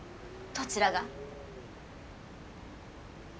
どちらが？